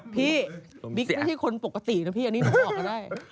พี่บิ๊กซึ่งที่คนปกตินะพี่อันนี้มาบอกก็ได้